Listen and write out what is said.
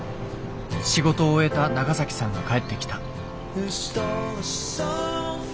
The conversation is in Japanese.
仕事を終えたナガサキさんが帰ってきた。